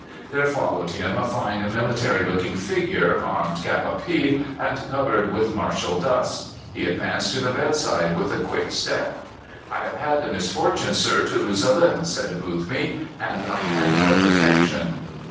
There followed him a fine, military looking figure, armed cap à pie, and covered with martial dust. He advanced to the bedside with a quick step. "I have had the misfortune, sir, to lose a limb," said Boothby, "and I claim your protection."